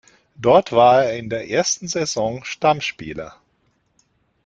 Dort war er in der ersten Saison Stammspieler.